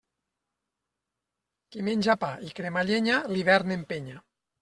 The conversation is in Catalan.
Qui menja pa i crema llenya, l'hivern empenya.